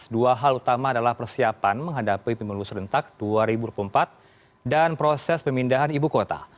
dua hal utama adalah persiapan menghadapi pemilu serentak dua ribu dua puluh empat dan proses pemindahan ibu kota